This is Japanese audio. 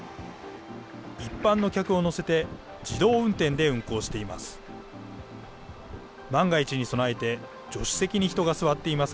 一般の客を乗せて、自動運転で運行しています。